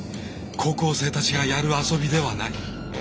高校生たちがやる遊びではない。